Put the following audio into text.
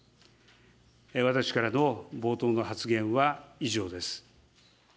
私からの冒頭の発言は以上です。